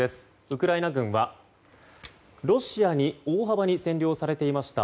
ウクライナ軍はロシアに大幅に占領されていました